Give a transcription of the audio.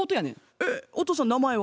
えっ弟さん名前は？